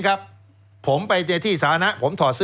แล้วเขาก็ใช้วิธีการเหมือนกับในการ์ตูน